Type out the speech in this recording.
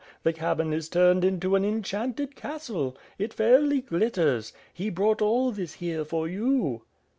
The cabin is turned into an enchanted castle. It fairly glitters. He brought all this here for you."